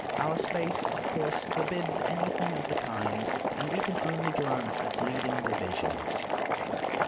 Our space, of course, forbids any thing of the kind, and we can only glance at leading divisions.